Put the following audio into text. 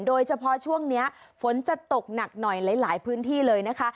โดยเฉพาะช่วงนี้ฝนจะตกหนักหน่อยหลายพื้นที่เลยนะคะ